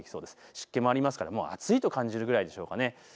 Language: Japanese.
湿気もありますからもう暑いと感じるぐらいでしょうかね。